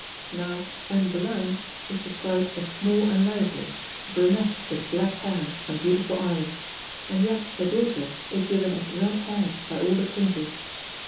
Now Anne Boleyn is described as small and lively, a brunette with black hair and beautiful eyes, and yet her daughter is given as red haired by all the painters.